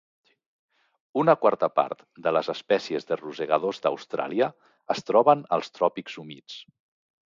Una quarta part de les espècies de rosegadors d'Austràlia es troben als tròpics humits.